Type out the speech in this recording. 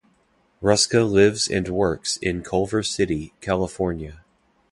Ruscha lives and works in Culver City, California.